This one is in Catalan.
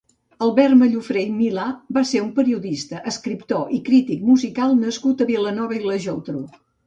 Albert Mallofré i Milà va ser un periodista, escriptor i crític musical nascut a Vilanova i la Geltrú.